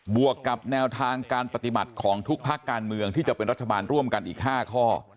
วกกับแนวทางการปฏิบัติของทุกภาคการเมืองที่จะเป็นรัฐบาลร่วมกันอีก๕ข้อ